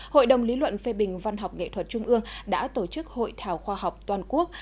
hội đồng lý luận phê bình văn học nghệ thuật trung ương đã tổ chức hội thảo khoa học toàn quốc